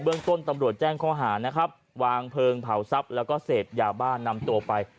เรื่องต้นตำรวจแจ้งข้อหานะครับวางเพลิงเผาทรัพย์แล้วก็เสพยาบ้านนำตัวไป